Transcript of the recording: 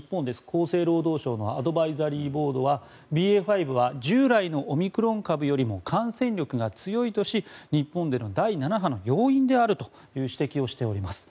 厚生労働省のアドバイザリーボードはＢＡ．５は従来のオミクロン株よりも感染力が強いとし日本での第７波の要因であるという指摘をしています。